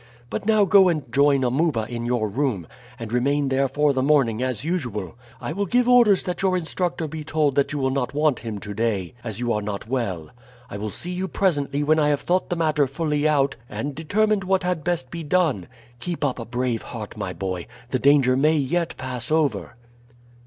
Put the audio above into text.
But now go and join Amuba in your room, and remain there for the morning as usual. I will give orders that your instructor be told that you will not want him to day, as you are not well. I will see you presently when I have thought the matter fully out and determined what had best be done. Keep up a brave heart, my boy; the danger may yet pass over."